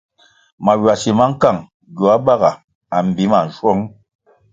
Maywasi ma nkang gioa baga a mbi ma nschuong.